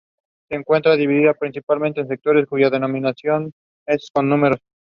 The family continued on to Oregon without further mishap.